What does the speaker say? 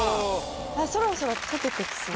そろそろ解けてきそう。